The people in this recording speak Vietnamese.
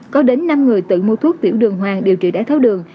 có đến năm người tự mua thuốc tiểu đường hoàng điều trị đáy tháo đường